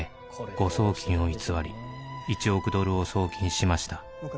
「誤送金を偽り１億ドルを送金しました」